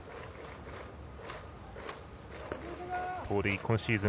盗塁今シーズン